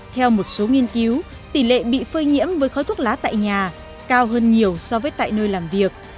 theo một số nghiên cứu tỷ lệ bị phơi nhiễm với khói thuốc lá tại nhà cao hơn nhiều so với tại nơi làm việc